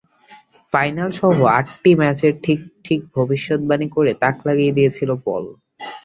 ফাইনালসহ আটটি ম্যাচের ঠিক ঠিক ভবিষ্যদ্বাণী করে তাক লাগিয়ে দিয়েছিল পল।